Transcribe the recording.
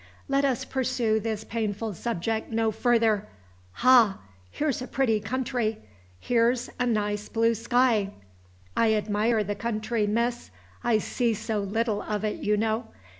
Let us pursue this painful subject no further. Ha! here's a pretty country! Here's a nice blue sky! I admire the country, miss; I see so little of it, you know.